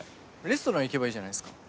レストラン行けばいいじゃないですか。